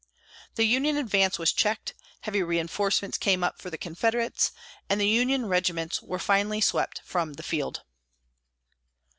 The Union advance was checked, heavy reinforcements came up for the Confederates, and the Union regiments were finally swept from the field.